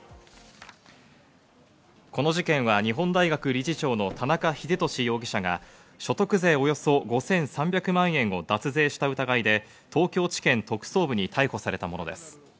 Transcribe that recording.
この事件は日本大学理事長の田中英壽容疑者が所得税およそ５３００万円を脱税した疑いで東京地検特捜部に逮捕されたものです。